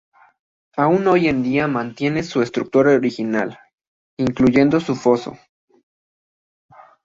Aún hoy en día mantiene su estructura original, incluyendo su foso.